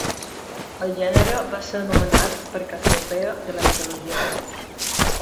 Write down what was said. El gènere va ser anomenat per Cassiopea de la mitologia grega.